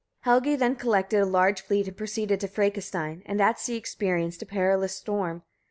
Helgi then collected a large fleet and proceeded to Frekastein, and at sea experienced a perilous storm.